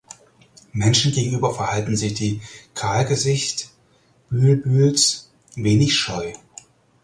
Menschen gegenüber verhalten sich die Kahlgesichtbülbüls wenig scheu.